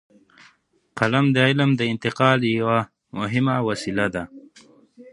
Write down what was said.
قلم د علم د انتقال یوه مهمه وسیله ده.